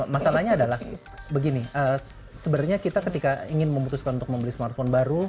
masalahnya adalah begini sebenarnya kita ketika ingin memutuskan untuk membeli smartphone baru